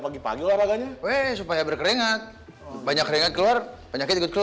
pagi pagi laganya weh supaya berkeringat banyak ringan keluar penyakit keluar oh